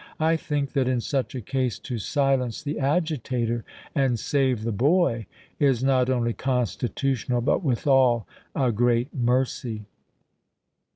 I think that in such a case to silence the agitator and save the boy is not only constitutional, but, withal, a great mercy.